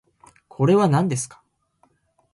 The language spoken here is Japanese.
これはなんですか？